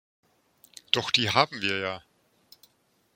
Doch die haben wir ja!